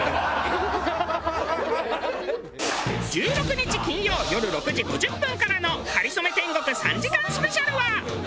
１６日金曜よる６時５０分からの『かりそめ天国』３時間スペシャルは。